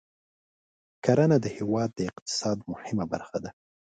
کرنه د هېواد د اقتصاد مهمه برخه ده.